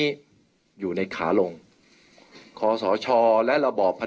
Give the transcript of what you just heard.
เพื่อยุดยั้งการสืบทอดอำนาจของขอสอชอต่อและยังพร้อมจะเป็นนายกรัฐมนตรี